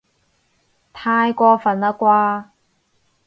太過分喇啩